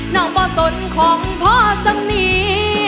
น้องป่าวสนของพ่อสนิท